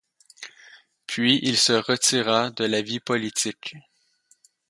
Puis il se retira de la vie politique.